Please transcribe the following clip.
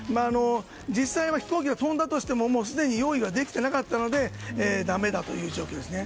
実際は飛行機が飛んだとしてもすでに用意ができてなかったのでだめだという状況ですね。